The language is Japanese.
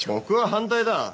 僕は反対だ。